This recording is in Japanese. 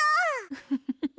ウフフフフ。